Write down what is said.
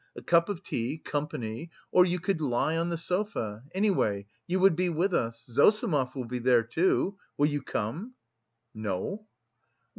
a cup of tea, company.... Or you could lie on the sofa any way you would be with us.... Zossimov will be there too. Will you come?" "No."